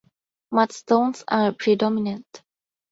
Mudstones are predominant.